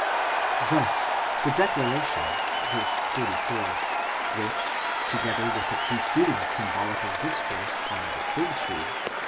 Thus the declaration v. 34 which, together with the preceding symbolical discourse on the fig tree (v.